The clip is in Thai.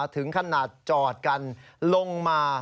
ถึงขนาดจอดกันลงมา